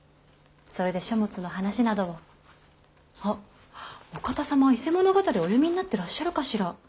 それで書物の話などをあっお方様「伊勢物語」はお読みになってらっしゃるかしら？